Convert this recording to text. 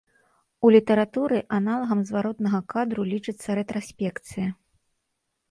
У літаратуры аналагам зваротнага кадру лічыцца рэтраспекцыя.